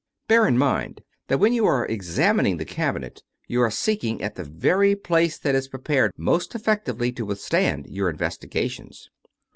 ^ Bear in mind that when you are examining the cabinet, you are seeking at the very place that is prepared most effect ually to withstand your investigations.